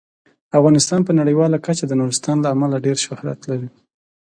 افغانستان په نړیواله کچه د نورستان له امله ډیر شهرت لري.